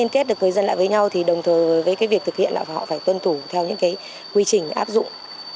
kết được người dân lại với nhau thì đồng thời với cái việc thực hiện là họ phải tuân thủ theo những cái quy trình áp dụng